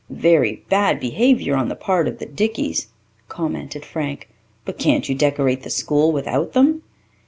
"Very bad behaviour on the part of the Dickeys," commented Frank. "But can't you decorate the school without them?"